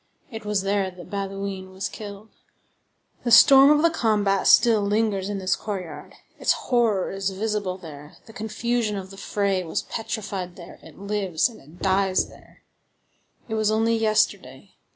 It was there that Bauduin was killed. The storm of the combat still lingers in this courtyard; its horror is visible there; the confusion of the fray was petrified there; it lives and it dies there; it was only yesterday.